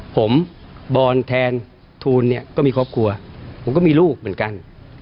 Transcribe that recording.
ผมบอลแทนทูลเนี่ยก็มีครอบครัวผมก็มีลูกเหมือนกัน